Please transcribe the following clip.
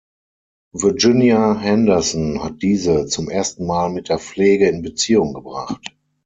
Virginia Henderson hat diese zum ersten Mal mit der Pflege in Beziehung gebracht.